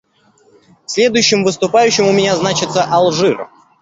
Следующим выступающим у меня значится Алжир.